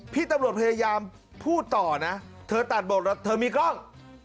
พี่ตำรวจพยายามพูดต่อนะเธอตัดบทเธอมีกล้อง